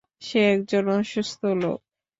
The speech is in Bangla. সে একজন অসুস্থ লোক।